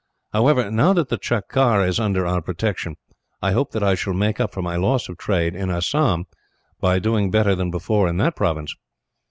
However, now that Cachar is under our protection, I hope that I shall make up for my loss of trade, in Assam, by doing better than before in that province."